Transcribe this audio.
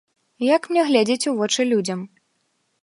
Як мне глядзець у вочы людзям?